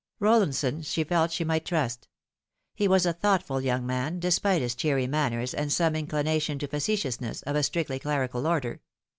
Rollinson she felt she might trust. He was a thoughtful youag man, despite his cheery manners and some inclination to f acetiousness of a strictly clerical order.